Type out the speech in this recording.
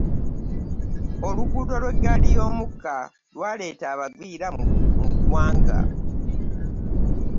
Oluguudo lw'eggaali y'omukka lwaleeta abagwira mu ggwanga.